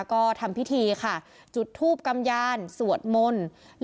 ก็ทำพิธีค่ะจุดทูปกำยานสวดมนต์